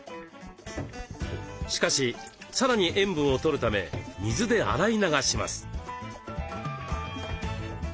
しかしさらに塩分を取るため水で洗い流します。